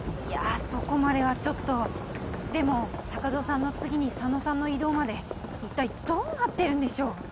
いやあそこまではちょっとでも坂戸さんの次に佐野さんの異動まで一体どうなってるんでしょう？